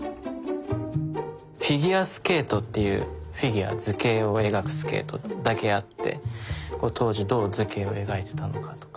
フィギュアスケートっていうフィギュア図形を描くスケートだけあって当時どう図形を描いてたのかとか。